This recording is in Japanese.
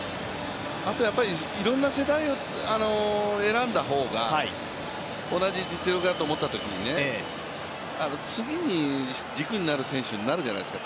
あとはやはり、いろんな世代を選んだ方が、同じ実力だと思ったときに次に軸になる選手になるじゃないですか。